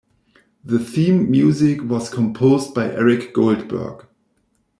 The theme music was composed by Eric Goldberg.